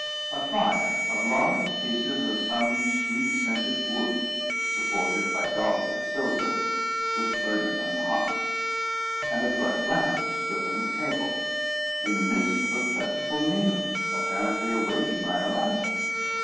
A fire of large pieces of some sweet scented wood, supported by dogs of silver, was burning on the hearth, and a bright lamp stood on a table, in the midst of a plentiful meal, apparently awaiting my arrival.